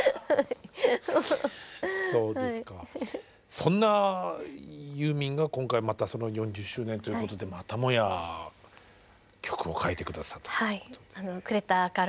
そんなユーミンが今回またその４０周年ということでまたもや曲を書いて下さったということで。